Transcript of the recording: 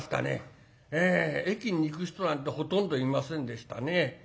駅に行く人なんてほとんどいませんでしたね。